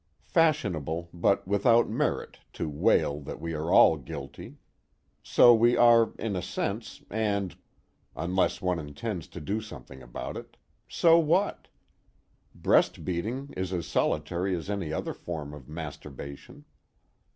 Fashionable but without merit, to wail that we are all guilty. So we are, in a sense, and (unless one intends to do something about it) so what? Breast beating is as solitary as any other form of masturbation.